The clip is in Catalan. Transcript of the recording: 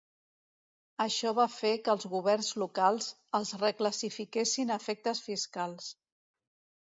Això va fer que els governs locals els reclassifiquessin a efectes fiscals.